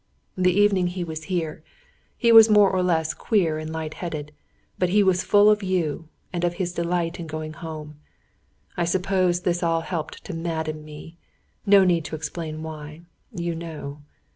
"The evening he was here, he was more or less queer and light headed, but he was full of you, and of his delight in going home. I suppose this all helped to madden me. No need to explain why. You know.